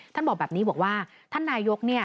ท่านบอกแบบนี้บอกว่าท่านนายกเนี่ย